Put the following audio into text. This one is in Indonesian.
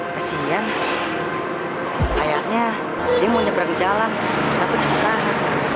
kasian kayaknya dia mau nyebrang jalan tapi kesusahan